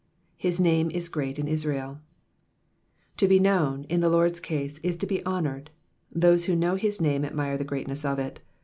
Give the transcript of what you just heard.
^^His name is great in IsraeV^ To be known, in the Lord's case, is to be honoured : those who know his name admire the greatness of it.